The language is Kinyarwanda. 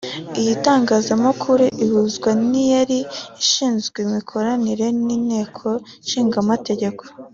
iy’itangazamakuru ihuzwa n’iyari ishinzwe imikoranire n’Inteko ishinga Amategeko